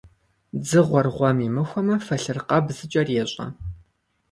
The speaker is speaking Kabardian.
Дзыгъуэр гъуэм имыхуэмэ, фэлъыркъэб зыкӀэрещӀэ.